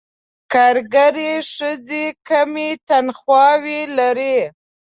کارګرې ښځې کمې تنخواوې لري.